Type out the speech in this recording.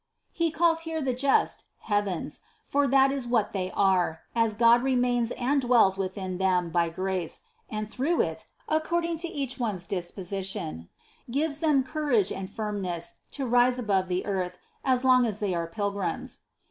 He calls here the just "heavens," for that is what they are, as God re mains and dwells within them by grace, and through it, according to each one's disposition, gives them courage and firmness to rise above the earth as long as they are pilgrims.